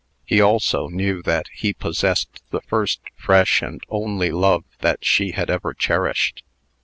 He also knew that he possessed the first, fresh, and only love that she had ever cherished.